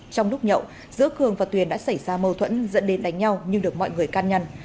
trong lúc nhậu giữa cường và tuyền đã xảy ra mâu thuẫn dẫn đến đánh nhau nhưng được mọi người can nhăn